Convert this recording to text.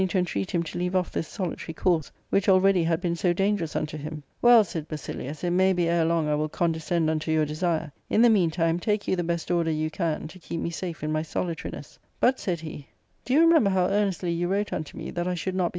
— Book IL beginning to intreat him to leave off this solitary course, which already had been so dangerous unto him, "Well," said Basilius, " it may be ere long I will condescend unto your desire. In the meantime, take you the best order you can to keep me safe in my solitariness. But," said he, " do you remember how earnestly you wrote unto me that I should not be.